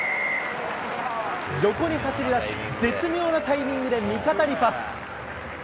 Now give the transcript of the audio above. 横に走りだし、絶妙なタイミングで味方にパス。